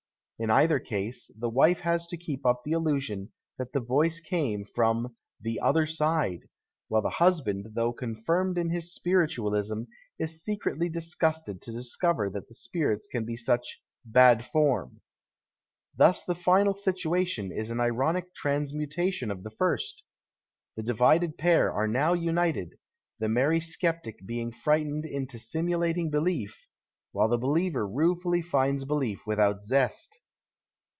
In cither case, the wife has to keep up the illusion that the voice came from " the other side," while the husband, though confirmed in his spiritualism, is secretly disgusted to discover tiiat the spirits can be such " bad form." Thus the final situation is an ironic transmutation of the first. The divided pair are now united, the merry sceptic being frightened into sinuilating belief, while the believer ruefully finds belief without zest.